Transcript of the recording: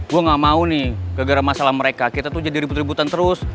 gue gak mau nih gara gara masalah mereka kita tuh jadi ribut ributan terus